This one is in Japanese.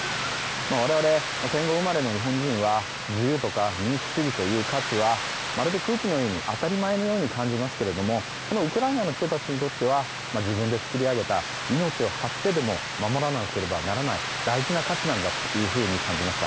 我々、戦後生まれの日本人は自由とか民主主義という価値はまるで空気のように当たり前のように感じますがウクライナの人たちにとっては自分で作り上げた命を張ってでも守らなければならない大事な価値なんだと感じました。